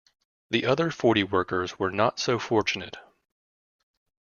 The other forty workers were not so fortunate.